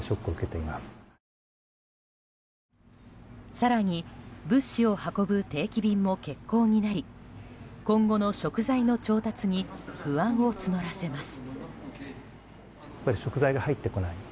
更に物資を運ぶ定期便も欠航になり今後の食材の調達に不安を募らせます。